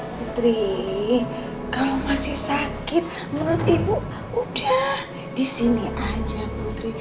putri kalau masih sakit menurut ibu udah di sini aja putri